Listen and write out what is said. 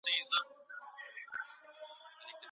ناوړه پريکړې بايد د حکومت لخوا لغوه سي.